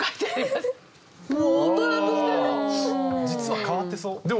実は変わってそう。